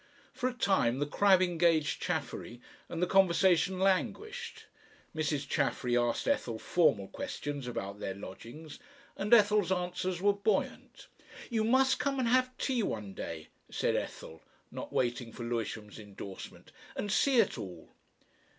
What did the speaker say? For a time the Crab engaged Chaffery, and the conversation languished. Mrs. Chaffery asked Ethel formal questions about their lodgings, and Ethel's answers were buoyant, "You must come and have tea one day," said Ethel, not waiting for Lewisham's endorsement, "and see it all."